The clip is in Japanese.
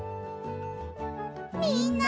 みんな！